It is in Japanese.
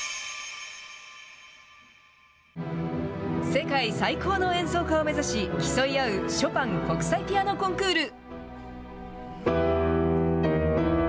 世界最高の演奏家を目指し、競い合うショパン国際ピアノコンクール。